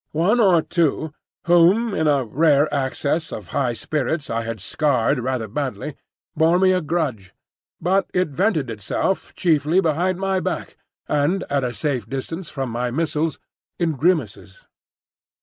One or two, whom in a rare access of high spirits I had scarred rather badly, bore me a grudge; but it vented itself chiefly behind my back, and at a safe distance from my missiles, in grimaces.